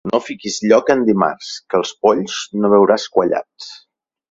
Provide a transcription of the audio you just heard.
No fiquis lloca en dimarts, que els polls no veuràs quallats.